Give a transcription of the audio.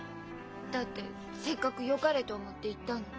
だってせっかくよかれと思って言ったのに。